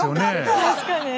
確かに。